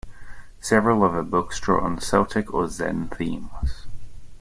Several of her books draw on Celtic or Zen themes.